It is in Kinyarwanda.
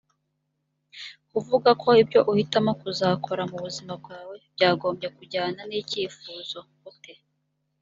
kuvuga ko ibyo uhitamo kuzakora mu buzima bwawe byagombye kujyana n icyifuzo u te